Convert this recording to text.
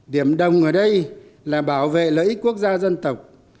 điểm đồng ở đây là bảo vệ lợi ích quốc gia dân tộc